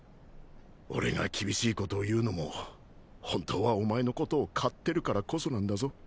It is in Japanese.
俺が厳しいことを言うのも本当はお前のことを買ってるからこそなんだぞ。